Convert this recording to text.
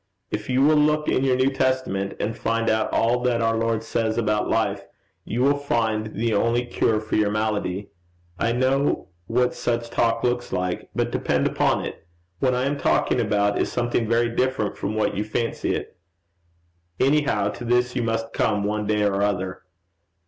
If you will look in your New Testament, and find out all that our Lord says about Life, you will find the only cure for your malady. I know what such talk looks like; but depend upon it, what I am talking about is something very different from what you fancy it. Anyhow to this you must come, one day or other.'